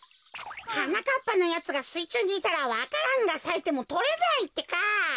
はなかっぱのやつがすいちゅうにいたらわか蘭がさいてもとれないってか。